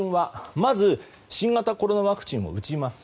新型コロナワクチンを打ちます。